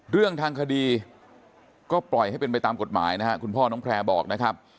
เรื่องทางคดีก็ปล่อยให้เป็นไปตามกฎหมายนะครับคุณพ่อน้องแพร่บอกนะครับ